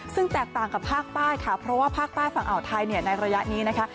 ซึ่งแตกต่างกับภาคใต้ค่ะเพราะว่าภาคใต้ฝั่งอ่าวไทยเนี่ยในระยะนี้นะคะ